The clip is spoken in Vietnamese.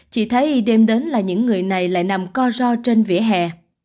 chị thấy đêm đến là những người này lại nằm co ro trên vỉa hè